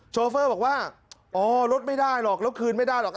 โชเฟอร์บอกว่าอ๋อรถไม่ได้หรอกแล้วคืนไม่ได้หรอก